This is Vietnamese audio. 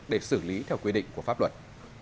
để xử lý theo quy định của pháp luật